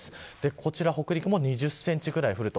こちら北陸も２０センチぐらい降ると。